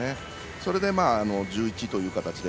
それで１１という形で。